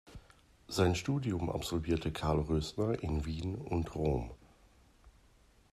Sein Studium absolvierte Carl Roesner in Wien und Rom.